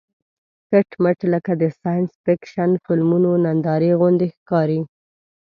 کټ مټ لکه د ساینس فېکشن فلمونو نندارې غوندې ښکارېده.